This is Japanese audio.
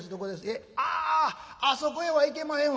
えああっあそこへは行けまへんわ」。